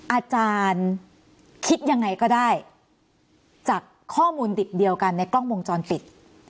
อาจารย์คิดยังไงก็ได้จากข้อมูลดิบเดียวกันในกล้องวงจรปิด